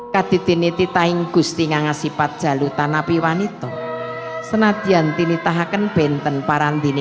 kadid ini titahin gusti ngasih pad jalur tanapi wanito senadian tini tahaken benten parandini